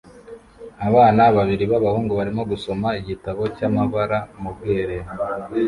Abana babiri b'abahungu barimo gusoma igitabo cy'amabara mu bwiherero